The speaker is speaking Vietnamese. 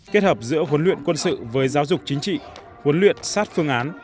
kết hợp giữa huấn luyện quân sự với giáo dục chính trị huấn luyện sát phương án